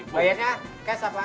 bayarnya cash apa